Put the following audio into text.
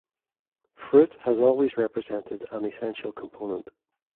Fruit has always represented an essential component.